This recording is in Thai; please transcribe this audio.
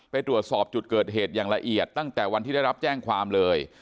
ไปตรวจสอบจุดเกิดเหตุอย่างละเอียดตั้งแต่วันที่ได้รับแจ้งความเลย